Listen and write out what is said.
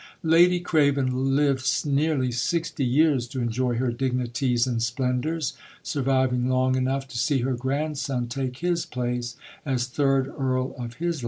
Lady Craven lived nearly sixty years to enjoy her dignities and splendours, surviving long enough to see her grandson take his place as third Earl of his line.